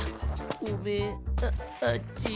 ごめんああっち。